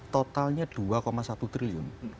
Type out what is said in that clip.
totalnya dua satu triliun